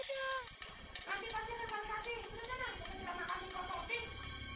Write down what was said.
ya nanti pasti terbalik kasih sudah senang bisa makan di kosong tim